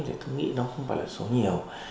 thì tôi nghĩ nó không phải là số nhiều